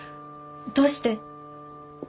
どうして？